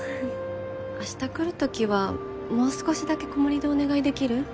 あした来るときはもう少しだけ小盛りでお願いできる？